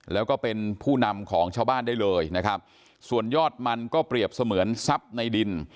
แล้วก็เป็นผู้นำของชาวบ้านได้เลยนะครับส่วนยอดมันก็เปรียบเสมือนทรัพย์ในดิน